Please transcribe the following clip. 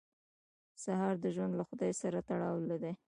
سهار د ژوند له خدای سره تړاو دی.